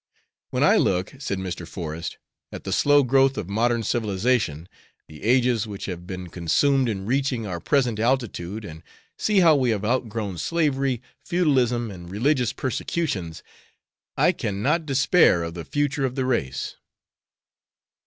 "When I look," said Mr. Forest, "at the slow growth of modern civilization the ages which have been consumed in reaching our present altitude, and see how we have outgrown slavery, feudalism, and religious persecutions, I cannot despair of the future of the race."